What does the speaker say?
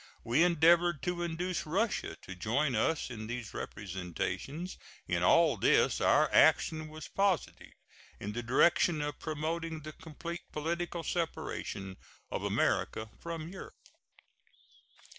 We endeavored to induce Russia to join us in these representations. In all this our action was positive, in the direction of promoting the complete political separation of America from Europe.